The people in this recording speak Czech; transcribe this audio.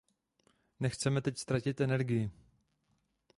Nechceme teď ztratit energii.